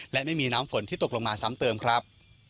และไม่มีน้ำฝนที่ตกลงมาซ้ำเติมครับ